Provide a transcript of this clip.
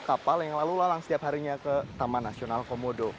kapal yang lalu lalang setiap harinya ke taman nasional komodo